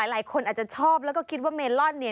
หลายคนอาจจะชอบแล้วก็คิดว่าเมลอนเนี่ย